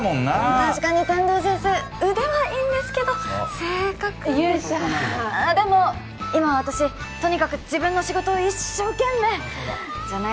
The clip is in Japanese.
確かに天堂先生腕はいいんですけど性格が勇者でも今は私とにかく自分の仕事を一生懸命ああそうだじゃない